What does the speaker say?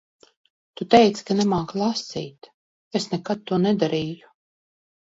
Tu teici ka nemāki lasīt. Es nekad to nedarīju.